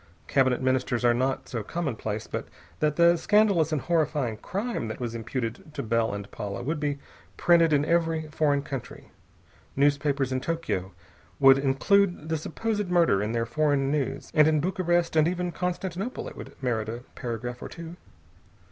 Cabinet ministers are not so commonplace but that the scandalous and horrifying crime that was imputed to Bell and Paula would be printed in every foreign country. Newspapers in Tokio would include the supposed murder in their foreign news, and in Bucharest and even Constantinople it would merit a paragraph or two.